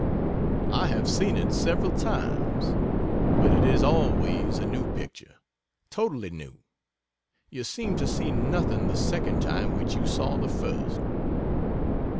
I have seen it several times, but it is always a new picture totally new you seem to see nothing the second time which you saw the first.